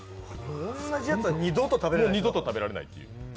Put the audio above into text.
同じやつは二度と食べられないという？